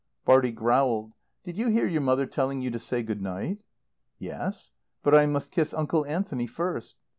Bartie growled: "Did you hear your mother telling you to say Good night?" "Yes. But I must kiss Uncle Anthony first.